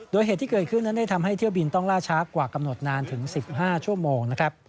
โดยเหตุที่เกิดขึ้นนั้นได้ทำให้เที่ยวบินต้องล่าช้ากว่ากำหนดนานถึง๑๕ชั่วโมงนะครับ